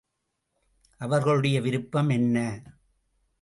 அவர்களுடைய விருப்பம் என்ன?